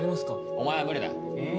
お前は無理だ。え。